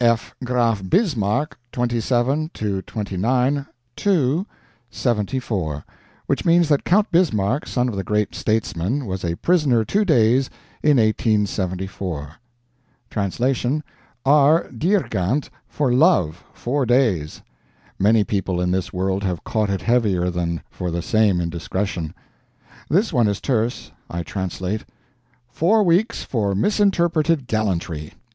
"F. Graf Bismarck 27 29, II, '74." Which means that Count Bismarck, son of the great statesman, was a prisoner two days in 1874. (TRANSLATION.) "R. Diergandt for Love 4 days." Many people in this world have caught it heavier than for the same indiscretion. This one is terse. I translate: "Four weeks for MISINTERPRETED GALLANTRY."